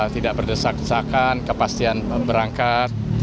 tidak berdesakan kepastian berangkat